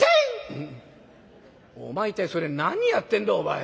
「お前一体それ何やってんだ？お前」。